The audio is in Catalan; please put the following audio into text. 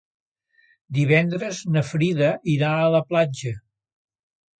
Divendres na Frida irà a la platja.